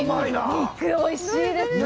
肉、おいしいですね！